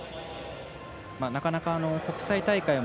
なかなか国際大会も